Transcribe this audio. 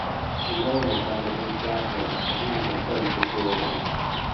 His name was Marmaduke Jopley, and he was an offence to creation.